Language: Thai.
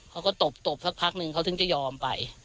เขาก็ตบตบสักพักนึงเขาถึงจะยอมไป